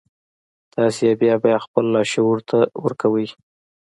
تاسې يې بيا بيا خپل لاشعور ته ورکوئ.